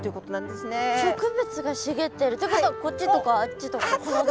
植物が茂ってるってことはこっちとかあっちとかこのぐらいとか？